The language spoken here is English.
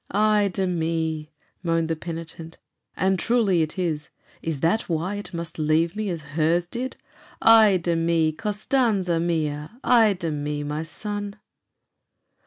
"Ay de mi!" moaned the penitent "and truly it is. Is that why it must leave me as hers did? Ay de mi, Costanza mia! Ay de mi, my son!"